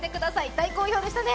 大好評でしたね。